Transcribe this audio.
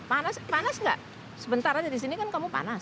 panas nggak sebentar aja disini kan kamu panas